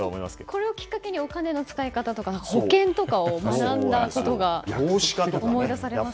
これをきっかけにお金の使い方とか保険とかを学んだことが思い出されますね。